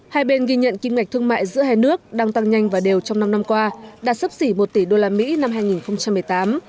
hai bên ghi nhận kinh ngạch thương mại giữa hai nước đang tăng nhanh và đều trong năm năm qua đạt sấp xỉ một tỷ usd năm hai nghìn một mươi tám